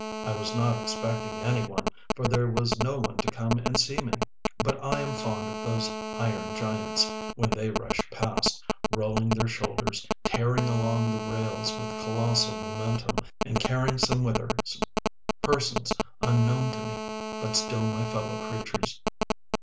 I was not expecting any one, for there was no one to come and see me; but I am fond of those iron giants, when they rush past, rolling their shoulders, tearing along the rails with colossal momentum, and carrying somewhither persons unknown to me, but still my fellow creatures.